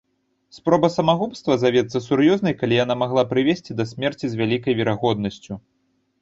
Спроба самагубства завецца сур'ёзнай, калі яна магла прывесці да смерці з вялікай верагоднасцю.